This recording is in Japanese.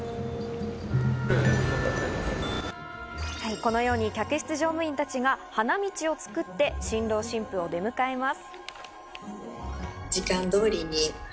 このように客室乗務員たちが花道を作って、新郎新婦を出迎えます。